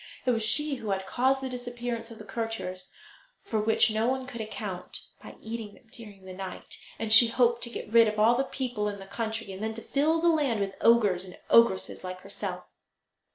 It was she who had caused the disappearance of the courtiers, for which no one could account, by eating them during the night, and she hoped to get rid of all the people in the country, and then to fill the land with ogres and ogresses like herself.